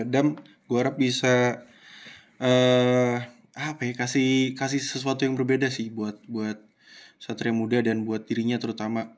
dam gue harap bisa kasih sesuatu yang berbeda sih buat satria muda dan buat dirinya terutama